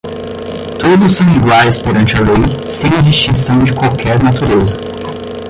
Todos são iguais perante a lei, sem distinção de qualquer natureza